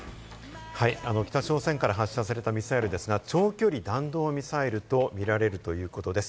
北朝鮮から発射されたミサイルですが、長距離弾道ミサイルとみられるということです。